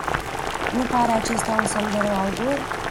Nu pare acesta un semn de rău augur?